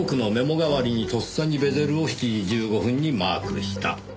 代わりにとっさにベゼルを７時１５分にマークした。